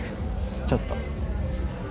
ちょっと。